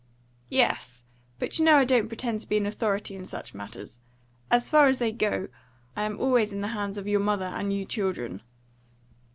"Yes. But you know I don't pretend to be an authority in such matters. As far as they go, I am always in the hands of your mother and you children."